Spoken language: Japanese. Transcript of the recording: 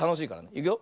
いくよ。